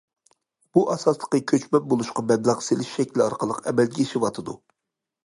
بۇ ئاساسلىقى كۆچمەن بولۇشقا مەبلەغ سېلىش شەكلى ئارقىلىق ئەمەلگە ئېشىۋاتىدۇ.